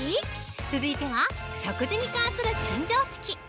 続いては、食事に関する新常識！